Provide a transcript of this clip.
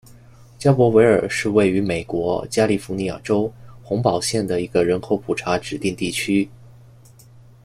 加伯维尔是位于美国加利福尼亚州洪堡县的一个人口普查指定地区。